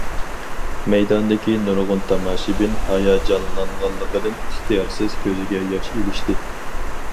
مەيداندىكى نۇرغۇن تاماشىبىن ھاياجانلانغانلىقىدىن ئىختىيارسىز كۆزىگە ياش ئېلىشتى.